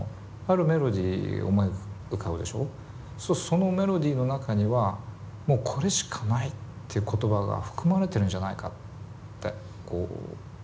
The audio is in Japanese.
そのメロディーの中にはこれしかないって言葉が含まれてるんじゃないかって信じるんですよ。